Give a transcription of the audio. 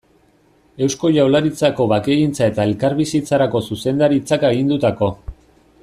Eusko Jaurlaritzako Bakegintza eta Elkarbizitzarako Zuzendaritzak agindutako.